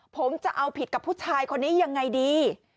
ผมจะเอาผิดกับผู้ชายคนนี้ยังไงดี